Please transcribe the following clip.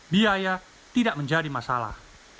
biaya tidak menjadi masalah